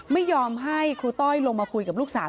ไม่ยอมให้ครูต้อยลงมาคุยกับลูกสาว